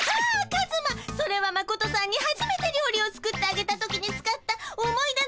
カズマそれはマコトさんにはじめて料理を作ってあげた時に使った思い出のおなべ。